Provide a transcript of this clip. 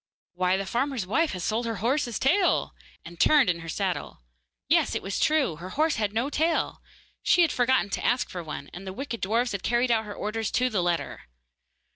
'Why, the farmer's wife has sold her horse's tail!' and turned in her saddle. Yes; it was true. Her horse had no tail! She had forgotten to ask for one, and the wicked dwarfs had carried out her orders to the letter!